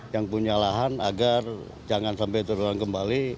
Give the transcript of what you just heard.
yang punya lahan agar jangan sampai terulang kembali